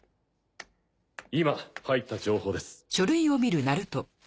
今入った情報です。